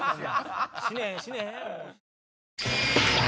死ねへん死ねへん。